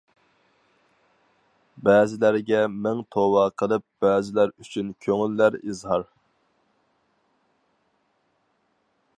بەزىلەرگە مىڭ توۋا قىلىپ، بەزىلەر ئۈچۈن كۆڭۈللەر ئىزھار.